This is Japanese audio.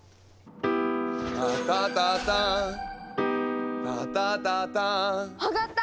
「タタタターン」「タタタターン」上がった！